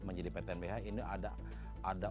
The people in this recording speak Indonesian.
menjadi ptnbh ini ada